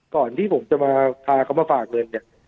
ก่อนที่ผมจะมาพาเขามาฝากเงินเนี่ย